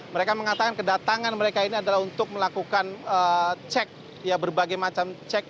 mereka mengatakan kedatangan mereka ini adalah untuk melakukan cek berbagai macam cek